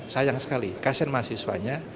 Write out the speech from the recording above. sayang sekali kasian mahasiswanya